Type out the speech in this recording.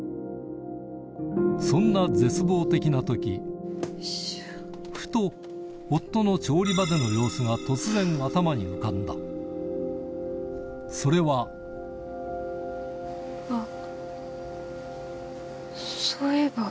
そんな絶望的な時ふと夫の調理場での様子が突然頭に浮かんだそれはあっ。